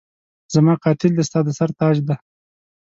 زما قاتل دی ستا د سر تاج دی